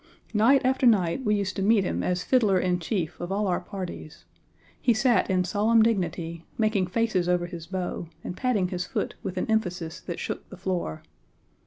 Night after night we used to meet him as fiddler in chief of all our parties. He sat in solemn dignity, making faces over his bow, and patting his foot with an emphasis that shook the floor.